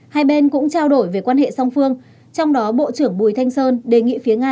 hai bên cũng trao đổi về quan hệ song phương trong đó bộ trưởng bùi thanh sơn đề nghị phía nga